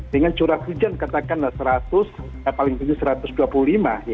dengan curah hujan katakanlah seratus paling tinggi satu ratus dua puluh lima